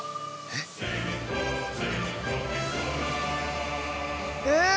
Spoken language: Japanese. えっ？え？